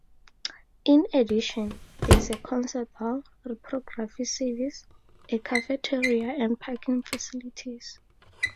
In addition, there is a Concert Hall, reprography service, a cafeteria and parking facilities.